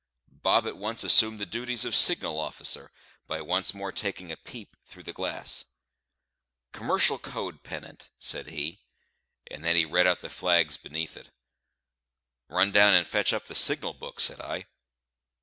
Bob at once assumed the duties of signal officer, by once more taking a peep through the glass. "Commercial code pennant," said he; and then he read out the flags beneath it. "Run down and fetch up the signal book," said I.